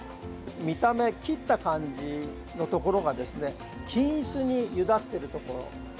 見た目、切った感じのところが均一にゆだってるところ。